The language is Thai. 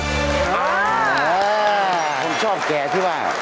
ผมชอบแกคิดว่า